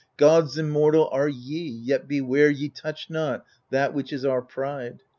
Gods inunortal are ye, yet beware ye touch not That which is our pride !